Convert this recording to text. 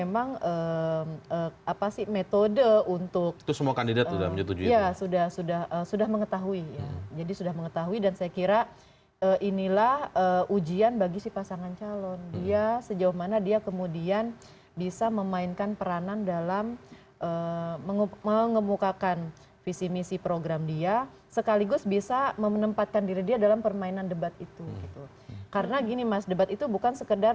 bagus bisa memenempatkan diri dia dalam permainan debat itu karena gini mas debat itu bukan sekedar